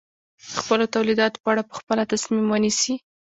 د خپلو تولیداتو په اړه په خپله تصمیم ونیسي.